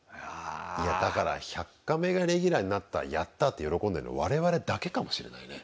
いやだから「１００カメ」がレギュラーになったやった！って喜んでるの我々だけかもしれないね。